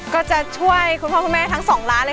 ก็จะช่วยคุณพ่อคุณแม่ทั้ง๒ร้านเลย